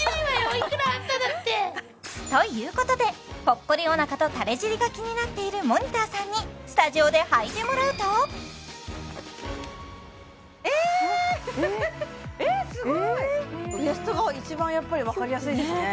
いくらあんただってということでポッコリお腹とタレ尻が気になっているモニターさんにスタジオではいてもらうとえーっえっすごいえっウエストが一番やっぱり分かりやすいですね